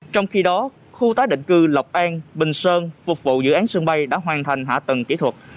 trong khi đó khu tái định cư lộc an bình sơn phục vụ dự án sân bay đã hoàn thành hạ tầng kỹ thuật